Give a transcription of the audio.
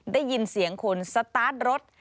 ได้ยินเสียงคนสตาร์ทรถ